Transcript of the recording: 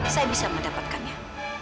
saya bisa mendapatkannya